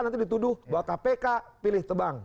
nanti dituduh bahwa kpk pilih tebang